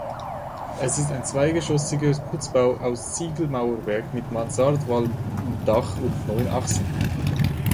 Es ist ein zweigeschossiger Putzbau aus Ziegelmauerwerk mit Mansardwalmdach und neun Achsen.